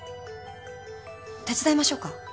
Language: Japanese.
手伝いましょうか？